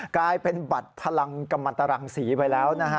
กลายเป็นบัตรพลังกรรมันตรังศรีไปแล้วนะฮะ